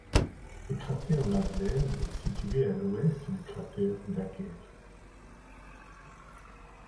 Le cratère Mädler est situé à l'ouest du cratère Daguerre.